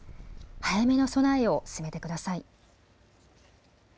早めの備えを進めてください。